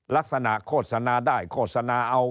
ลักษณะโฆษณาได้โฆษณาเอา